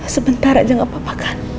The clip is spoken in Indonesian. sebentar aja gak apa apa kan